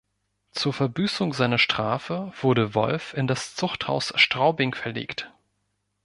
Zur Verbüßung seiner Strafe wurde Wolff in das Zuchthaus Straubing verlegt.